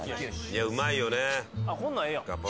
いやうまいよねあっ